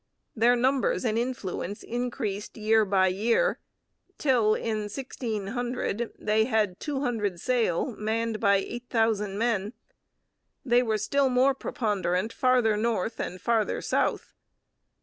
Their numbers and influence increased year by year, till, in 1600, they had two hundred sail manned by eight thousand men. They were still more preponderant farther north and farther south.